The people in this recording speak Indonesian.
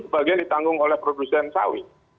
sebagian ditanggung oleh produsen sawit